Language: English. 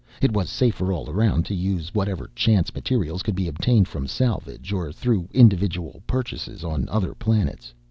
It was safer all around to use whatever chance materials could be obtained from salvage or through individual purchases on other planets.